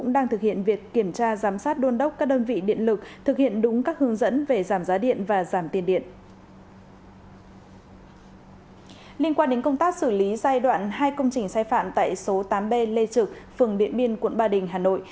liên quan đến công tác xử lý giai đoạn hai công trình sai phạm tại số tám b lê trực phường điện biên quận ba đình hà nội